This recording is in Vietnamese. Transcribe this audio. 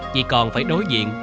chị còn phải đối diện